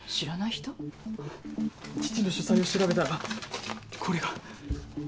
父の書斎を調べたらこれが。